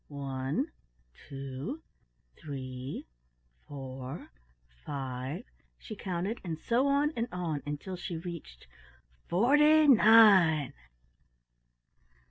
"One, two, three, four, five," she counted, and so on and on until she reached "FORTY NINE!"